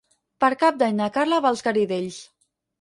Per Cap d'Any na Carla va als Garidells.